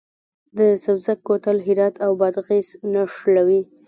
د سبزک کوتل هرات او بادغیس نښلوي